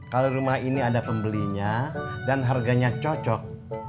kalau rumah ini ada pembelinya dan harganya cocok